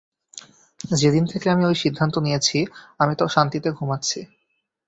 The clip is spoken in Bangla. যেদিন থেকে আমি ওই সিদ্ধান্ত নিয়েছি, আমি তো শান্তিতে ঘুমাচ্ছি।